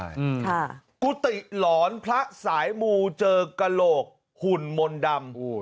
ปรกฏิหลอนพระสายมูห์เจอกระโหลกหุ่นมนติด่าม